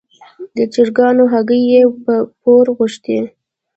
د چرګانو هګۍ یې پور غوښتې.